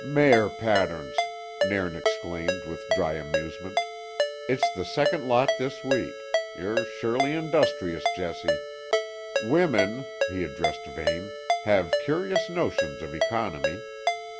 "Mair patterns!" Nairn exclaimed with dry amusement. "It's the second lot this week; ye're surely industrious, Jessie. Women" he addressed Vane "have curious notions of economy.